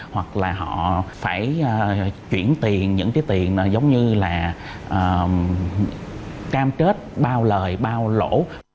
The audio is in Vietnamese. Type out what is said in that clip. hoặc là họ phải chuyển tiền những cái tiền giống như là cam chết bao lời bao lỗ